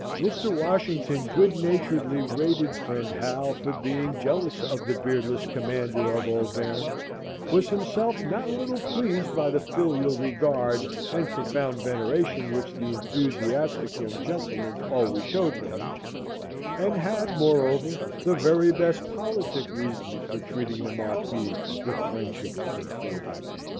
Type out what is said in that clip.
Mr. Washington good naturedly rated friend Hal for being jealous of the beardless commander of Auvergne; was himself not a little pleased by the filial regard and profound veneration which the enthusiastic young nobleman always showed for him; and had, moreover, the very best politic reasons for treating the Marquis with friendship and favour.